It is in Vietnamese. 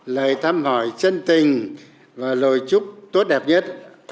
lời thăm hỏi chân tình và lời chúc tốt đẹp nhất